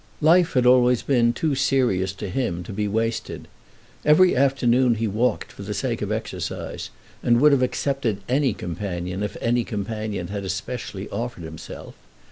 Life had always been too serious to him to be wasted. Every afternoon he walked for the sake of exercise, and would have accepted any companion if any companion had especially offered himself.